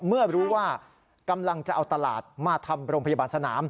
เมื่อรู้ว่ากำลังจะเอาตลาดมาทำโรงพยาบาลสนาม